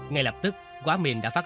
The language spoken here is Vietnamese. ngay lập tức quả miệng đã phát nổ